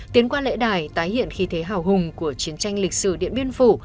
tiến qua lễ đài tái hiện khí thế hào hùng của chiến tranh lịch sử điện biên phủ